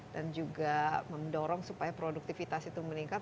dan juga mendorong supaya produktivitas itu meningkat